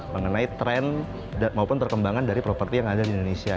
mengenai tren maupun perkembangan dari properti yang ada di indonesia